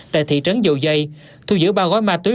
tại thị trấn dầu dây thu giữ ba gói ma túy